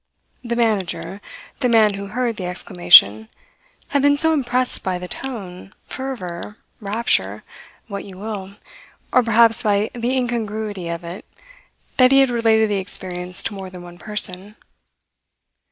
The manager the man who heard the exclamation had been so impressed by the tone, fervour, rapture, what you will, or perhaps by the incongruity of it that he had related the experience to more than one person.